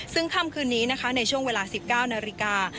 ซึ่งค่ำคืนนี้นะคะในช่วงเวลา๑๙นาฬิกา